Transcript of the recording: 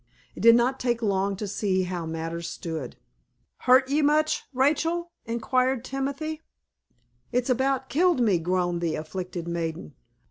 It did not take long to see how matters stood. "Hurt ye much, Rachel?" inquired Timothy. "It's about killed me," groaned the afflicted maiden.